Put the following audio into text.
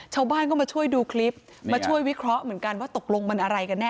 ชาวบ้านก็มาช่วยดูคลิปมาช่วยวิเคราะห์เหมือนกันว่าตกลงมันอะไรกันแน